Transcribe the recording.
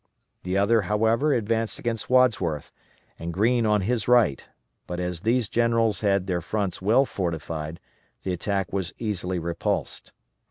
The other, however, advanced against Wadsworth, and Greene on his right; but as these generals had their fronts well fortified, the attack was easily repulsed.